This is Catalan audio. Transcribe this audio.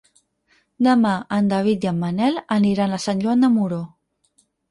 Demà en David i en Manel aniran a Sant Joan de Moró.